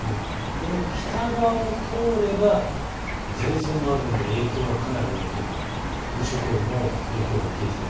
この北側を通れば前線の影響がかなり大きい、伊豆諸島の影響、かなり大きいです。